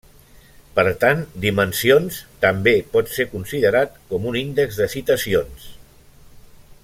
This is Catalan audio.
Per tant Dimensions també pot ser considerat com un índex de citacions.